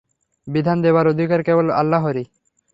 বিধান দেবার অধিকার কেবল আল্লাহরই।